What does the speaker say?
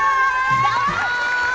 どうも！